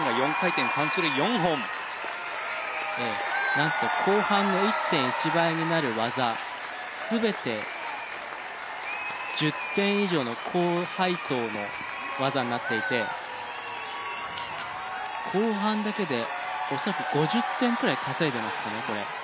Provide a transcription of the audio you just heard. なんと後半の１．１倍になる技全て１０点以上の高配当の技になっていて後半だけで恐らく５０点くらい稼いでますかねこれ。